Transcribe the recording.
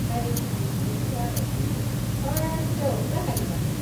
It was the first satisfactory method of calculating cometary orbits.